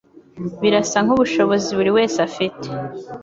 Birasa nkubushobozi buriwese afite.